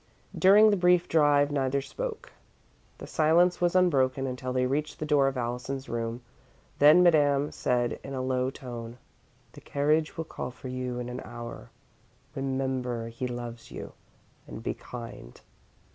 During the brief drive neither spoke. The silence was unbroken until they reached the door of Allison's room, then Madame said, in a low tone: "The carriage will call for you in an hour. Remember he loves you, and be kind."